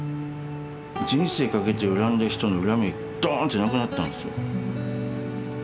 人生かけて恨んだ人の恨みがドーンってなくなったんですよ。